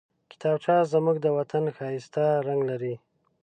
کتابچه زموږ د وطن ښايسته رنګ لري